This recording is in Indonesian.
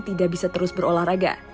tidak bisa terus berolahraga